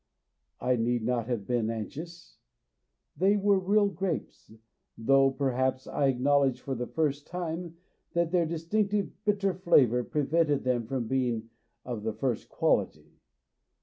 I need not have been anxious ; they were real grapes, though per haps I acknowledged for the first time that their distinctive bitter flavour prevented them from being of the first quality.